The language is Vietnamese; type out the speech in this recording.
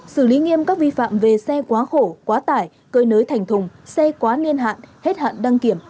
xử lý nghiêm các vi phạm về xe quá khổ quá tải cơi nới thành thùng xe quá niên hạn hết hạn đăng kiểm